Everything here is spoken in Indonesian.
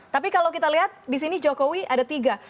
tapi kalau kita lihat di sini jokowi ada tiga